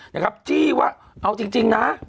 นะครับจี้ว่าเอาจริงนะ